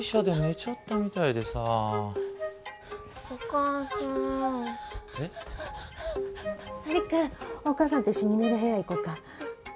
璃久お母さんと一緒に寝る部屋行こうか。